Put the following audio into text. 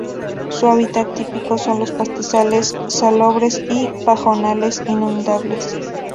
Su hábitat típico son los pastizales salobres y pajonales inundables.